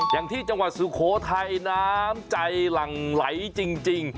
อย่างที่จังหวัดสุโขทัยน้ำใจหลั่งไหลจริง